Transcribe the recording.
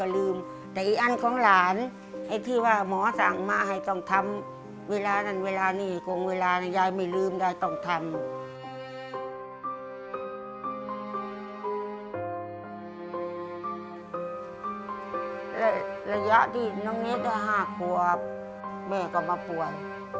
และระยะที่น้องเนธฮ่ากลัวแม่ก็มาป่วย